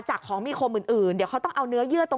ของมีคมอื่นเดี๋ยวเขาต้องเอาเนื้อเยื่อตรง